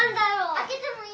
開けてもいい？